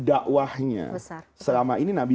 dakwahnya selama ini nabi